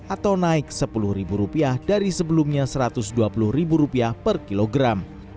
atau naik sepuluh rupiah dari sebelumnya satu ratus dua puluh rupiah per kilogram